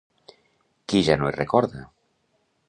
Qui ja no es recorda?